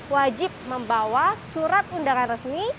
wajib membawa surat undangan resmi